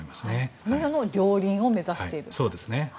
それの両輪を目指している。